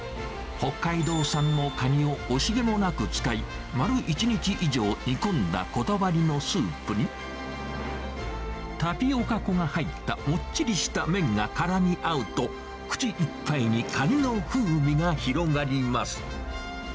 北海道産のカニを惜しげもなく使い、丸１日以上煮込んだこだわりのスープに、タピオカ粉が入ったもっちりした麺がからみ合うと、口いっぱいにカニの風味が広がります。